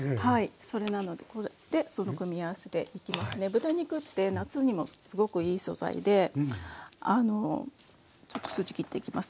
豚肉って夏にもすごくいい素材でちょっと筋切っていきますね。